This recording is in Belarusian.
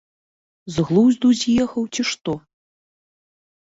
З глузду з'ехаў, ці што?